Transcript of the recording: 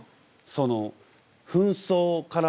その紛争から。